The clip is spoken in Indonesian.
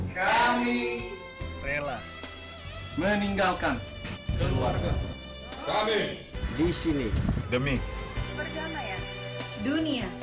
kami relah meninggalkan keluarga kami disini demi perdamaian dunia